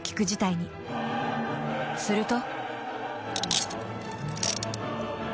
［すると］